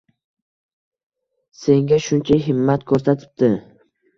Senga shuncha himmat koʻrsatibdi